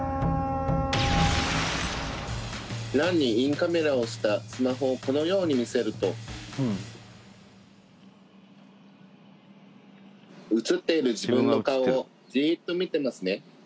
ランにインカメラを押したスマホをこのように見せると映っている自分の顔をじっと見てますね